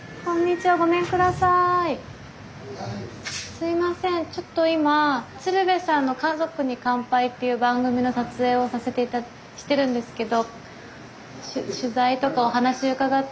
すいませんちょっと今鶴瓶さんの「家族に乾杯」っていう番組の撮影をしてるんですけどはい。